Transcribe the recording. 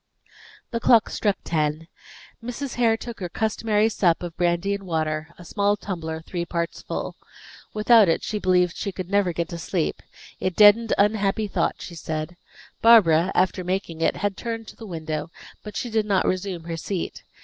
The clock struck ten. Mrs. Hare took her customary sup of brandy and water, a small tumbler three parts full. Without it she believed she could never get to sleep; it deadened unhappy thought, she said. Barbara, after making it, had turned again to the window, but she did not resume her seat.